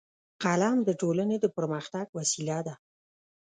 قلم د ټولنې د پرمختګ وسیله ده